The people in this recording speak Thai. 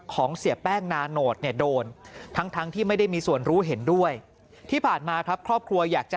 เสียแป้งนาโนตเนี่ยโดนทั้งทั้งที่ไม่ได้มีส่วนรู้เห็นด้วยที่ผ่านมาครับครอบครัวอยากจะ